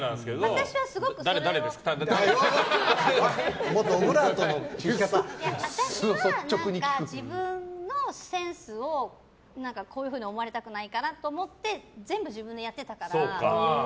私は、自分のセンスをこういうふうに思われたくないからと思って全部自分でやってたから。